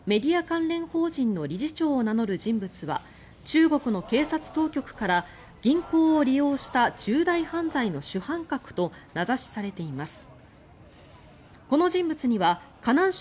関連法人の理事長を名乗る人物は中国の警察当局から銀行を利用した重大犯罪の主犯格と名指しされています。